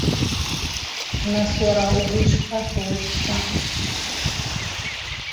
Нас уара угәы ишԥаҭоу уажәшьҭа?